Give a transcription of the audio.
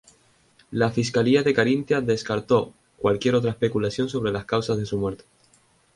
La fiscalía de Carintia descartó "cualquier otra especulación sobre las causas de su muerte".